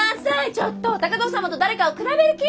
ちょっと高藤様と誰かを比べる気！？